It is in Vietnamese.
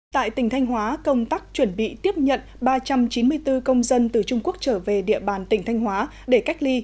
tại tỉnh thanh hóa công tác chuẩn bị tiếp nhận ba trăm chín mươi bốn công dân từ trung quốc trở về địa bàn tỉnh thanh hóa để cách ly